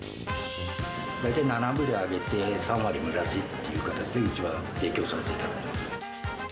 大体７分で揚げて、３割蒸らしっていう形で、一応提供させていただいています。